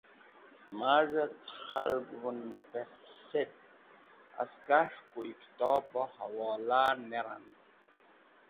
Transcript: Maz̃hẽ cẽ khalgvẽn pẽretk haskas̃h koyẽ kitobẽ hẽwola ne randẽm